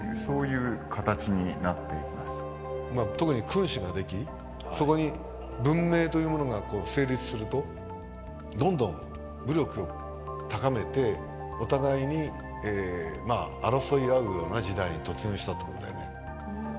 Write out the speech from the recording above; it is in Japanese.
特に君主ができそこに文明というものが成立するとどんどん武力を高めてお互いに争い合うような時代に突入したと思うんだよね。